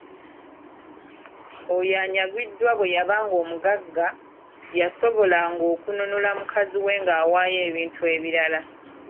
"Oyo anyagiddwa bwe yabanga omugagga, yasobolanga okununula mukazi we ng'awaayo ebintu ebirala."